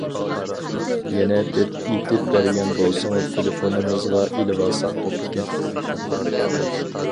يەنە بىر ئېيتىپ بەرگەن بولسىڭىز تېلېفونىمىزغا ئېلىۋالساق بوپتىكەن!